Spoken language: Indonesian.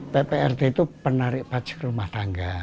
pprt itu penarik pajak rumah tangga